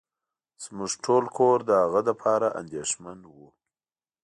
زمونږ ټول کور د هغه لپاره انديښمن وه.